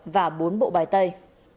và bốn bộ bài tay